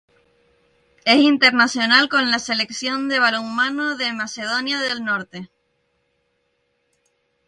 Es internacional con la selección de balonmano de Macedonia del Norte.